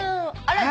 あら！